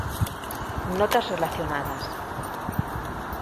Notas relacionadas